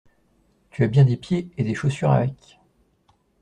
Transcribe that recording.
Tu as bien des pieds, et des chaussures avec.